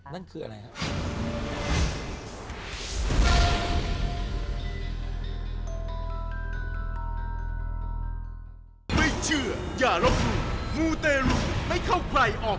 นั่นคืออะไรครับ